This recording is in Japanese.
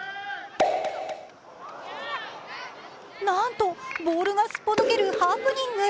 なんと、ボールがすっぽ抜けるハプニング。